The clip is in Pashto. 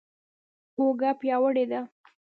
اوږه پیاوړې دي.